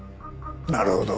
なるほど。